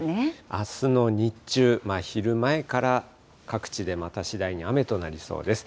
あすの日中、昼前から各地でまた次第に雨となりそうです。